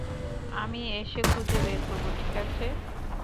আমি এসে খুঁজে বের করব, ঠিক আছে?